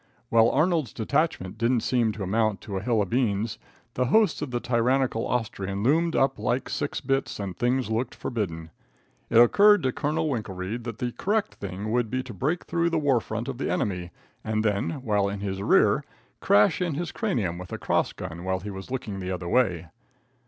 While Arnold's detachment didn't seem to amount to a hill of beans, the hosts of the tyrannical Austrian loomed up like six bits and things looked forbidding. It occurred to Colonel Winkelreid that the correct thing would be to break through the war front of the enemy, and then, while in his rear, crash in his cranium with a cross gun while he was looking the other way.